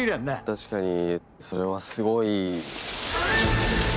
確かにそれはすごい。